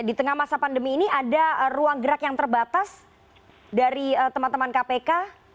di tengah masa pandemi ini ada ruang gerak yang terbatas dari teman teman kpk